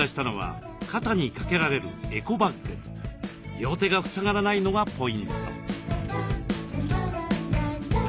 両手が塞がらないのがポイント。